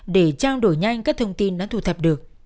để trao đổi nhanh các thông tin đã thu thập được